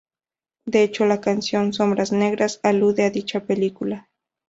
De hecho, la canción "Sombras negras" alude a dicha película.